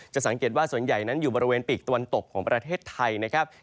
สังเกตว่าส่วนใหญ่นั้นอยู่บริเวณปีกตะวันตกของประเทศไทยนะครับ